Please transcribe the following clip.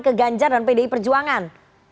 ke ganjar dan pdi perjuangan